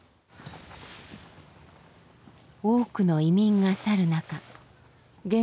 多くの移民が去る中源